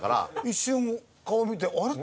一瞬顔見て「あれ？」